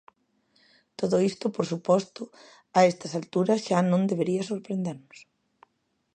Todo isto, por suposto, a estas alturas, xa non debería sorprendernos.